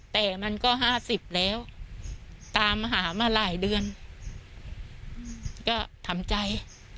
แต่มันก็๕๐แล้วตามหามาหลายเดือนก็ทำใจ